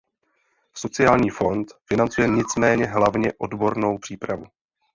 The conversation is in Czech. Sociální fond financuje nicméně hlavně odbornou přípravu.